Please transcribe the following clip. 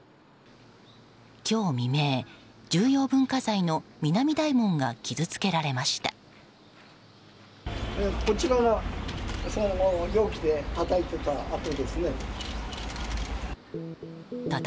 今日未明、重要文化財の南大門が傷つけられました。